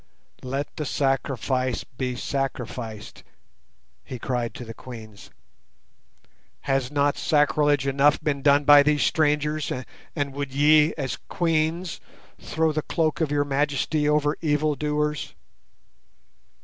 "Let the sacrifice be sacrificed," he cried to the Queens. "Has not sacrilege enough been done by these strangers, and would ye, as Queens, throw the cloak of your majesty over evildoers?